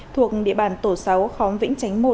thuộc địa bàn tổ sáu khóm vĩnh chánh một